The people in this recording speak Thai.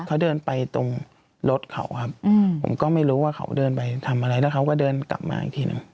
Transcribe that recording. เขาเดินไปตรงรถเขาครับผมก็ไม่รู้ว่าเขาเดินไปทำอะไรแล้วเขาก็เดินกลับมาอีกทีหนึ่ง